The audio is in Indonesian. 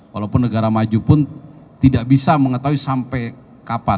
walaupun negara maju pun tidak bisa mengetahui sampai kapan